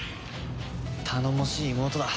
頼もしい妹だ。